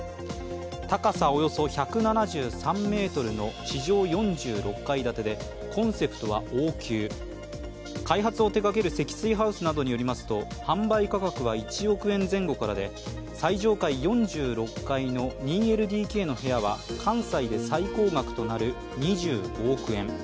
高さおよそ１７３ｍの地上４６階建てでコンセプトは王宮、開発を手がける積水ハウスなどによりますと販売価格は１億前後からで、最上階４６階の２ＬＤＫの部屋は、関西で最高額となる２５億円。